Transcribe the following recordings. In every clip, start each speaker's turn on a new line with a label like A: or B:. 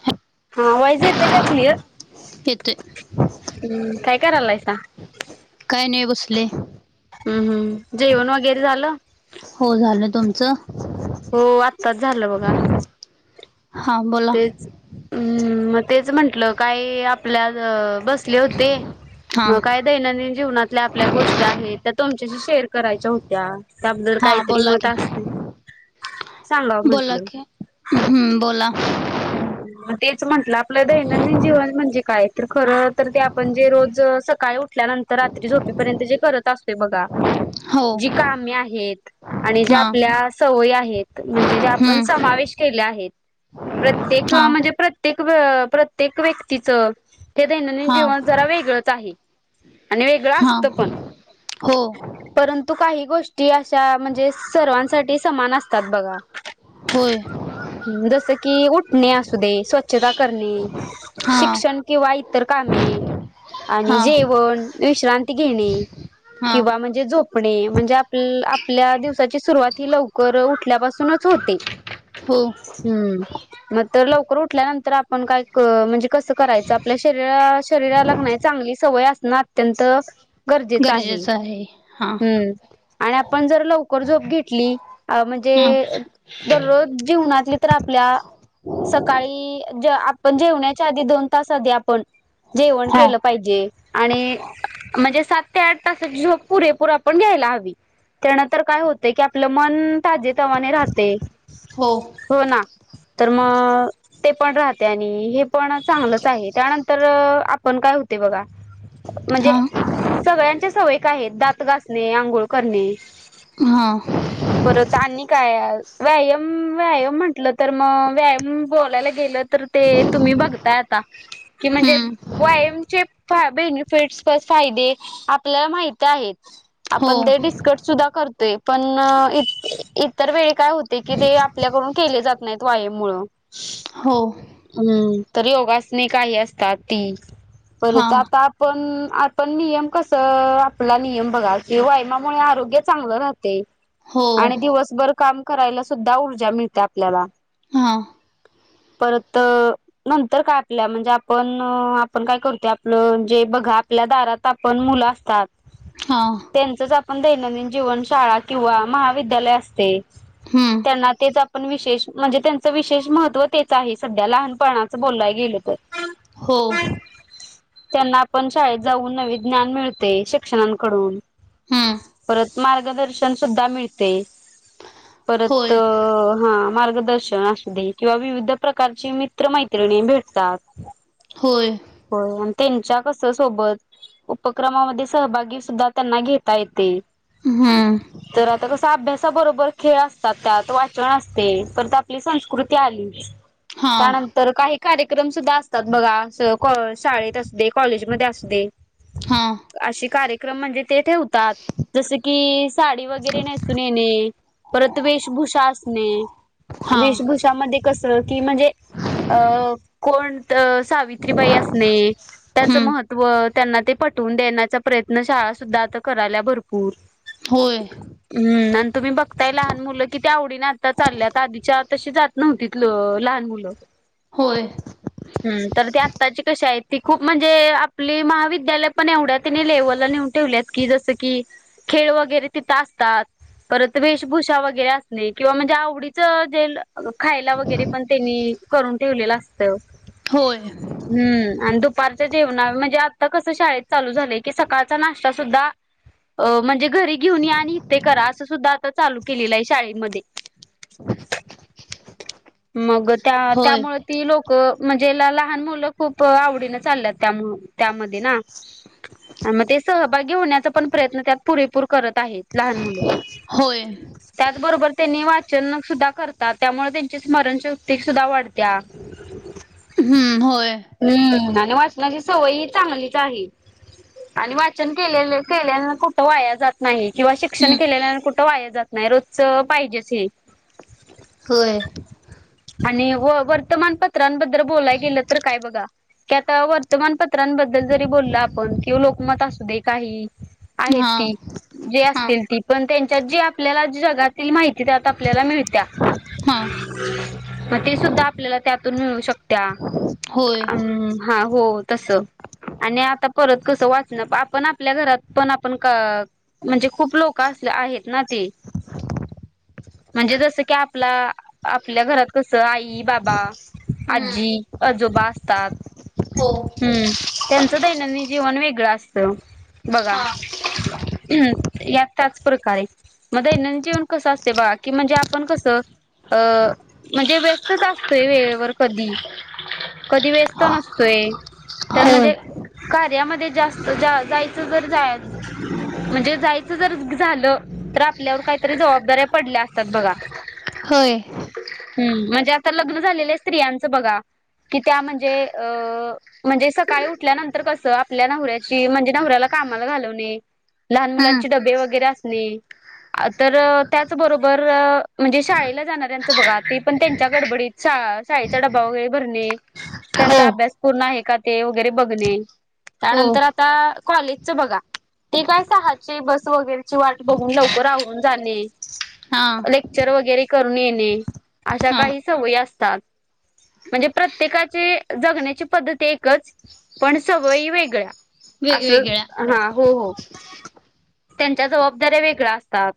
A: हे
B: हा व्हॉइज येते का क्लिअर
A: येतोय
B: हम्म काय करायलायसा?
A: काय नाही बसले.
B: हम्म हम्म जेवण वगैरे झालं?
A: हो झालं तुमचं?
B: हो आत्ताच झालं बघा.
A: हा बोला
B: तेच उम्म म तेच म्हंटलं काय आपल्याज बसले होते.
A: हा
B: मग काय दैनंदिन जीवनातल्या आपल्या गोष्टी आहेत त्या तुमच्याशी शेअर करायच्या हो त्या त्याबद्दल
A: हा
B: काहीतरी
A: बोला
B: मत
A: की
B: असते.
A: बोला की हम्म बोला.
B: [unintelligible] म तेच म्हटलं आपलं दैनंदिन जीवन म्हणजे काय तर खरं तर ते आपण जे रोज सकाळी उ ठल्यानंतर रात्री झोपेपर्यंत जे करत असतोय बघा
A: हो
B: जी कामी आहेत आणि ज्या
A: हा
B: आपल्या सवयी आहेत म्हणजे ज्या आपण
A: हम्म
B: समावेश केल्या आहेत. प्रत्येक
A: हा
B: म्हणजे प्रत्येक व प्रत्येक व्यक्तीचं ते दैनंदिन
A: हा
B: जीवन जरा वेगळंच आहे. आणि वेगळं
A: हा
B: असतं पण.
A: हो
B: परंतु काही गोष्टी अशा म्हणजे सर्वांसाठी समान असतात बघा.
A: होय.
B: जसं कि उठणे असू दे स्वच्छता करणे
A: हा
B: शिक्षण किंवा इतर कामे आणि
A: हा
B: जेवण विश्रांती घेणे
A: हा
B: किंवा म्हण जे झोपणे म्हणजे आप आपल्या दिवसाची सुरुवात ही लवकर उठल्यापासूनच होते.
A: हो.
B: हम्म. मग तर लवकर उठल्यानंतर आपण काय क म्हणजे कसं करायचं आपल्या शरीरा शरीराला क नाय चांगली सवय असणं अत्यंत गरजेचं आहे हम्म. आणि आपण जर लवकर झोप घेतली अ
A: हा
B: म्हणजे दररोज जीवनातली तर आपल्या सकाळी आपण जे जेवण्याच्या आधी दोन तास आधी आपण जेवण
A: हा
B: केलं पाहिजे. आणि म्हणजे सात ते आठ तासाची झोप पुरेपूर आपण घ्यायला हवी. त्यानंतर काय होतं की आपलं मन ताजे तवाने राहते.
A: हो.
B: हो ना. तर म ते पण राहते आणि हे पण चांगलंच आहे त्यानंतर आपण काय होते बघा म्हणजे
A: हा
B: सगळ्यांच्या सवय काय आहेत दात घासणे आंघोळ करणे
A: हां.
B: प्रातांनी काय व्यायाम व्यायाम म्हंटलं तर मग व्यायाम बोलायला गेलं तर ते तुम्ही बघताय आता कि म्हणजे
A: हम्म
B: व्यायामचे फाय बेनिफिटस फायदे आपल्याला माहित आहेत.
A: हो
B: आपण दोघीच कट सुद्धा करतोय पण इतर वेळ काय होते की ते आपल्याकडून केले जात नाही त वायाम मुळ
A: हो
B: हम्म तर योगासने काही असतात ती
A: हा
B: परत आता पण आपण नियम कस आपला नियम बघा कि व्यायामामुळे आरोग्य चांगलं राहते.
A: हो
B: आणि दिवसभर काम करायला सुद्धा ऊर्जा मिळते आपल्याला
A: हा
B: परत नंतर काय आपल्या म्हणजे आपण आपण काय करत आपलं जे बघा आपल्या दारात आप पण मुलं असतात
A: हां
B: त्यांचच आपण दैनंदिन जीवन शाळा किंवा महाविद्यालय असते.
A: हम्म
B: तेना तेच आपण विशेष म्हणजे त्यांचं विशेष महत्त्व तेच आहे सध्या लहानपणाचं बोललाय गेलं तर
A: हो
B: त्यांना आपण शाळेत जाऊन नवी ज्ञान मिळते शिक्षणकडून
A: हम्म
B: पर मार्गदर्शन सुद्धा मिळते परत
A: होय
B: हा मार्ग दर्शन असु दे किंवा विविध प्रकारची मित्र मैत्रिणी भेटतात.
A: होय
B: हो आणि त्यांच्या कस सोबत उपक्रमामध्ये सहभागी सुद्धा त्यांना घेता येते
A: हा
B: तर आता कस अभ्यासाबरोबर खेळ असतात त्यात वाचन असते तर आपली संस्कृती आली
A: हां
B: त्यानंतर तर काही कार्यक्रम सुद्धा असतात. बघा शाळेत अस दे कॉलेजमध्ये अस दे
A: हां
B: अशी कार्यक्रम म्हणजे ते ठेवतात. जस की साडी वगैरे नेसून येणे परत वेशभूषा असणे.
A: हां
B: वेशभूषामध्ये कस की म्हणजे अ कोण तर सावित्रीबाई असणे त्याचं
A: हम्म
B: महत्व व त्यांना ते पटवून देण्याचा प्रयत्न शाळा सुद्धा आता कराल्या भरपूर
A: होय
B: हम्म आणि तुम्ही बघताय लहान मुलं कि ते आवडीने आता चालल्यात आधी शाळेत तशी जात नव्हती तिथल लहान मुलं
A: होय
B: [inaudible] ह तर ती आत्ताची कशी आहेत ती खूप म्हणजे आपली महाविद्यालय पण एवढ्या तिने लेव्हलला नेऊन ठेवलीत कि जसं की खेळ वगैरे तिथं असतात. परत वेशभूषा वगैरे असणे किंवा म्हणजे आवडीच खायला वगैरे पण त्यांनी करून ठेवलेलं असत.
A: होय
B: हम्म आणि दुपारच्या जेवणा म्हणजे आता कसं शाळेत चालू झालं की सकाळचा नाश्ता सुद्धा अ म्हणजे घरी घेऊन आणि इ ते करा असं सुद्धा आता चालू केलेलं आहे शाळेमध्ये
A: ह [inaudible]
B: मग त्या
A: होय
B: त्यामुळे ती लोक म्हणजे लहान मुलं खूप आवडीनें चालल्यात त्यामु त्यामध्ये मग ते सहभागी होण्याचा पण प्रयत्न त्यात पुरेपूर करत आहेत. लहान मुलं
A: होय
B: त्याचबरोबर त्यांनी वाचन सुद्धा करतात त्यामुळे त्यां ची स्मरण शक्ती सुद्धा वाढत्या.
A: हम्म होय.
B: आणि वाचनाची सवय ही चांगलीच आहे आणि वाच चन केल्या केल्यानं कुठं वाया जात नाही किंवा शिक्षण
A: हम्म
B: केलेल्यां कुठ वाया जात नाही रोजच पाहिजेच हे
A: होय.
B: आणि व वर्तमानपत्रांबद्दल बोलाय गेलं तर काय बघा. की आता वर्तमानपत्रांबद्दल जरी बोललं आपण किं लोकमत असू दे काहीही आहेत
A: हां
B: ती जे
A: हां
B: असतील ती पण त्यांच्यात जी आपल्याला जगातील माहिती त्यात आपल्याला मिळते. त्या
A: हां
B: मग ती सुद्धा आपल्याला त्यातून मिळू शकत्या.
A: होय
B: ह्म हा हो तस. आणि आता परत कसं वाचणं आपण आपल्या घरात पण आपण क म्हणजे खूप लोक असले आहेत ना ती म्हणजे जस की आपला आपल्या घरात कसं आई बाबा
A: हम्म
B: आजी आजोबा असतात.
A: हो
B: हम्म त्यांचं दैनंदिन जीवन वेगळं असतं बघा.
A: हां
B: हम्म या त्याच प्रकारे. मग दैनंदजीवन कसं असते बागा की म्हणजे आपण कसं अ म्हणजे व्यस्तच असतोय वेळेवर कधी कधी व्यस्त नसतोय. तर
A: होय
B: म्हणजे कार्यामध्ये जास्त जा जायचं जर जाय म्हणजे जायचं जर झालं तर आपल्यावर काहीतरी जबाबदाऱ्या पडल्या असतात बघा.
A: होय.
B: हम् म्हणजे आता लग्न झालेल्या स्त्रियांचं बघा कि त्या म्हणजे अ म्हणजे सकाळी उठल्यानंतर कसं आपल्या नवऱ्याची म्हणजे नवऱ्याला कामाला घालवणे. लहान
A: हम्म
B: मुलांचे डबे वगैरे असली. तर त्याचबरोबर म्हणजे शाळेला जाणाऱ्यांचं बघा ते पण त्यांच्या गडबडीत शाळेचा डबा वगैरे भरणे.
A: हो
B: त्यांचा अभ्यास पूर्ण आहे का ते वगैरे बघणे
A: हो
B: त्यानंतर आता कॉले च बघा ते काय सहाचे बस वगैरेची वाट बघून लवकर आवरून जाणे.
A: हां
B: लेक्चर वगैरे करून येणे अशा
A: हां
B: काही सवयी असतात. म्हणजे प्रत्येकाची जगण्याची पद्धती एकच पण सवयी वेगळ्या. असं
A: वेगवेगळ्या
B: हा हो हो त्यांच्या जबाबदाऱ्या वेगळ्या असतात.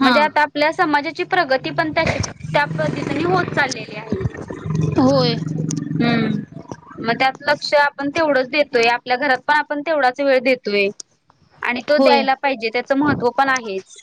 B: म्हणजे आता
A: हां
B: आपल्या समाजाची प्रगती पण तशी. त्या पद्धतीने होत चाललेली आहे.
A: होय.
B: हम्म मग त्यात लक्ष आपण तेवढंच देतोय आपल्या घरात पण आपण तेवढाच वेळ देतोय. आणि तो
A: होय
B: द्यायला. पाहिजे त्याच महत्व पण आहेच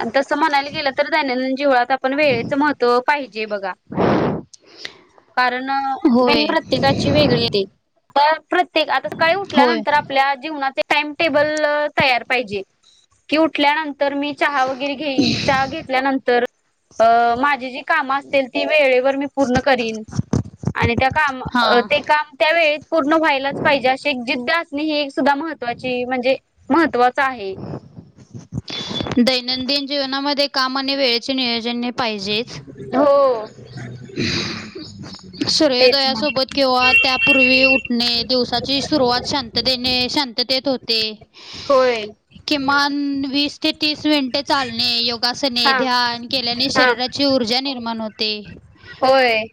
B: आणि तस म्हाला गेल तर ध्या जीवळात आपण वेळेच महत्व पाहिजे बघा. कारण दीन
A: होय
B: प्रत्येकाची वेगळीय. तर प्रत्येक - आता सकाळी
A: होय
B: उठल्यानंतर आपल्या जीवनाचे टाईम टेबल तयार पाहिजे. की उठल्या नंतर मी चहा व गैरे घेईन. चहा घेतल्यानंतर तर अ माझी जी काम असतेल ती वेळेवर मी पूर्ण करीन. आणि त्यात कामं अ
A: हां
B: ते काम त्या वेळेत पूर्ण व्हायलाच पाहिजे. अशी एक जिद्द असणे ही एक सुद्धा महत्त्वाची म्हणजे महत्त्वाच आहे.
A: दैनंदिन जीवनामध्ये काम आणि वेळेचे नियोजन हे पाहिजेच.
B: हो. [inaudible] तेच मग
A: सूर्योदयासोबत किंवा त्यापूर्वी उठणे दिवसाची सुरुवात शांत ततेने शांततेत होते.
B: होय.
A: किमान वीस ते तीस मिनिटे चालणे. योगासने,
B: हा
A: ध्यान केल्याने
B: हा
A: शरीराची ऊर्जा निर्माण होते.
B: होय.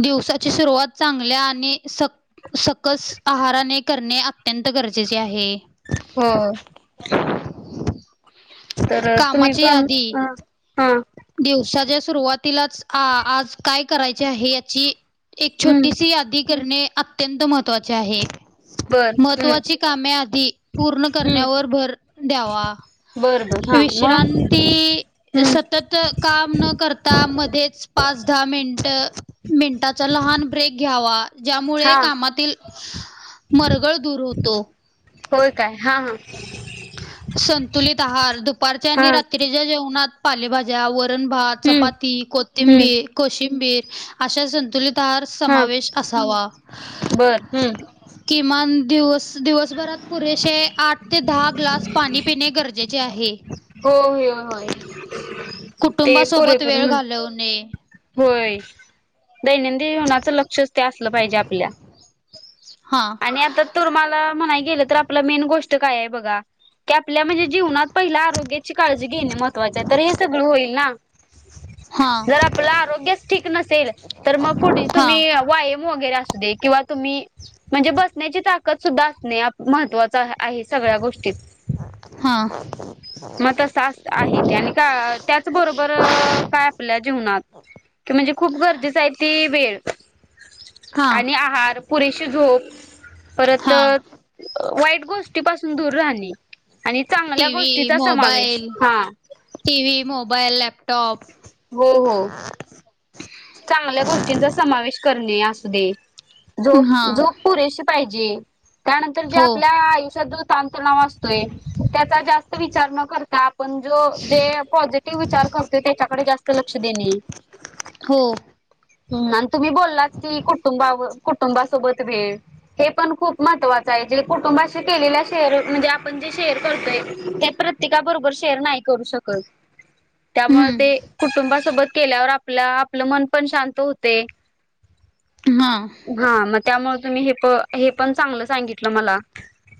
A: दिवसाची सुरुवात चांगल्या आणि सक सकस आहाराने करणे अत्यंत गरजेचे आहे.
B: हो.
A: [inaudible]
B: तर तुम्ही
A: कामाची
B: पण
A: यादी
B: अ हा
A: दिवसाच्या सुरुवातीलाच हा आज काय करायचे आहे याची एक
B: हम्म
A: छोटीशी यादी करणे अत्यंत महत्वाचे आहे.
B: बर हम्म
A: महत्त्वाची कामे आधी पूर्ण
B: हम्म
A: करण्यावर भर द्यावा.
B: बर बर हा मग
A: विश्रांती
B: हम्म
A: सतत काम न करता मध्येच पाच -दहा मिनट मिनटाचा लहान ब्रेक घ्यावा. ज्यामुळे
B: हा
A: कामातील मरगळ दूर होतो.
B: होय काय? हा हा.
A: संतुलित आहार दुपारच्या
B: हा
A: आणि रा रात्रीेच्या जेवणात पालेभाज्या, वरण -भात,
B: हम्म
A: चपाती,
B: हम्म
A: कोथिंबी कोशिंबीर अशा संतुलित तार
B: हा
A: समावेश असावा.
B: बर हम्म
A: किमान दिवस दिवसभरात पुरेशे आठ ते दहा ग्लास पाणी पिणे गरजेचे आहे.
B: हो हुयो होय. ते
A: कुटुंबासोबत
B: पुरेपूर
A: वेळ
B: हम्म
A: घालवणे.
B: होय. दैनंदिन जीवनाचं लक्षच ते असलं पाहिजे आपल्या.
A: हा
B: आणि आता तुर माला म्हणाय गेलं तर आपलं मेन गोष्ट काय आहे बघा? की आपल्या म्हणजे जीवनात पहिला आरोग्याची काळजी घेणे महत्वाचं हाय. तर हे सगळं होईल ना?
A: हा.
B: आपल आरोग्यच ठीक नसेल. तर मग पुढं
A: हा
B: तुम्ही वाय वगेर आसूदेत किंवा तुम्ही म्हणजे बसण्याची ताकद सुद्धा असणे. महत्त्वाचे आहेच. सगळ्या गोष्टीत.
A: हा.
B: मग तस असत आहे ते. आणि का त्याच बरोबर काय आपल्या जीवनात कि म्हणजे खूप गरजेचंय ते वेळ.
A: हा
B: आणि आहार, पुरेशी झोप, परत
A: हा
B: वाईट गोष् ट गोष्टी पासुन दुर राहंने आनी चांगल्या
A: टी
B: गोष्टी
A: व्ही मोबाईल, टीव्ही, मोबाईल, लॅपटॉप
B: हो हो. चांगल्या गोष्टींचा समावेश करणे असू दे,
A: हा
B: झोप झोप पुरेशी पाहिजे, त्यानंतर जे
A: हो
B: आपल्या आयुष्यातलं खूप ताण तणाव असतोय, त्याचा जास्त विचार न करता पण जो जे पॉझिटिव्ह विचार करतो त्याच्याकडे जास्त लक्ष देणे, मग
A: [unintelligible] हो.
B: हं आन तुम्ही बोललाच की, कुटुंबा कुटुंबासोबत वेळ हे पण खूप महत्त्वाचंय, जे कुटुंबाशी केलेला शेअर म्हणजे आपण जे शेअर करतोय ते प्रत्य प्रत्येका बरोबर शेअर नाही करू शकत. त्यामुळे ते
A: हम्म
B: कुटुंबासोबत केल्यावर आपलं आपलं मन पण शांत होतय.
A: हा
B: हाआ म त्यामुळे तुम्ही हे प हे पण चांगलं सांगितलं मला.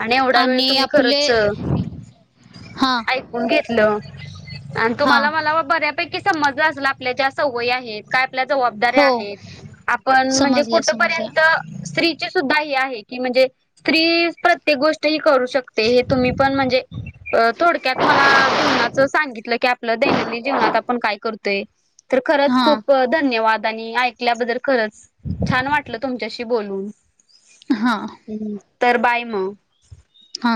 B: आणि एवढा वेळ
A: आणि
B: तुम्ही
A: आपले
B: खरंच
A: हा
B: ऐक न घेतलं, आणि
A: हा
B: तुम्हाला मल्ला बऱ्यापैकी समज्जलं असल आपल्या ज्या सव्वयी आहेत काय आपल्या जबाबदऱ्या
A: हो
B: आहेत, आपण म्हणजे
A: समजले समजला
B: कुठपर्यंत स्त्रीची सुद्धा हे आहे की म्हणजे, स्त्री प्रत्येक गोष्ट ही करू शकते हे तुम्ही पण म्हणजे, थोडक्यात मला जीवनाचं सांगितलं की आपलं दैनंदिन जीवनात आपण काय कर त तर खरंच
A: हा
B: खूप त धन्यवाद आणि ऐकल्याबद्दल खरंच, छान वाटलं तुमच्याशी बोलून
A: हा
B: ह तर बाय म.
A: हा.